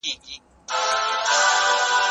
زه مخکي زده کړه کړي وو!.